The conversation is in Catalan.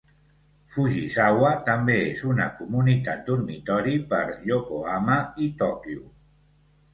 Fujisawa també es una comunitat dormitori per Yokohama i Tòquio.